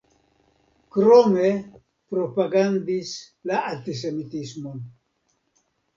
Krome propagandis la antisemitismon.